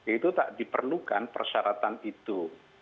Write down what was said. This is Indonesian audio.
itu tak diperlukan persyaratan itu